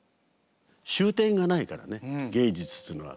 終点がないからね芸術というのは。